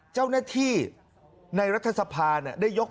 คุณสิริกัญญาบอกว่า๖๔เสียง